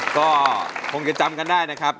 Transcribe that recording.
ก็คงจะจำกันได้นะครับ